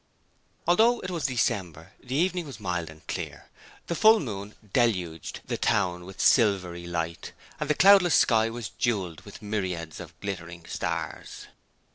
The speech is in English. Although it was December the evening was mild and clear. The full moon deluged the town with silvery light, and the cloudless sky was jewelled with myriads of glittering stars.